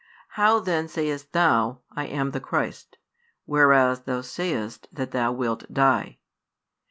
How then sayest Thou: "I am the Christ," whereas Thou sayest that Thou wilt die?